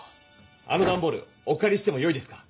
あのダンボールおかりしてもよいですか？